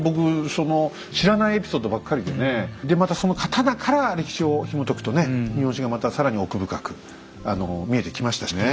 その知らないエピソードばっかりでねでまたその刀から歴史をひもとくとね日本史がまた更に奥深くあの見えてきましたしね。